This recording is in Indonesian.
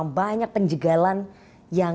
di dalam perkembangan